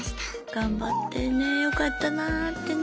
頑張ったよねよかったなってね。